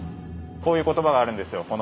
こういう言葉があるんですよ